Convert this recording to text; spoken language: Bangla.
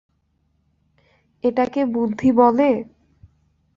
এটাকে বুদ্ধি বলে?